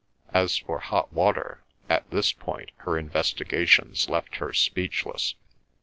As for hot water—at this point her investigations left her speechless.